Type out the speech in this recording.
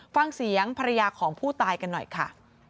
ฟังเสียงภรรยาของผู้ตายกันหน่อยค่ะ